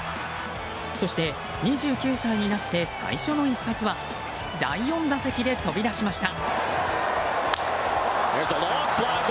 そして２９歳になって最初の一発は第４打席で飛び出しました。